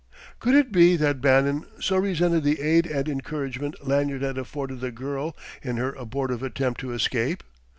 Could it be that Bannon so resented the aid and encouragement Lanyard had afforded the girl in her abortive attempt to escape?